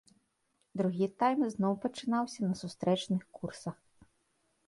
Другі тайм зноў пачынаўся на сустрэчных курсах.